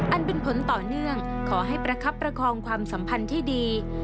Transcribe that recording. อันเป็นผลต่อเนื่องขอให้ประคับประคองความสัมพันธ์ที่ดี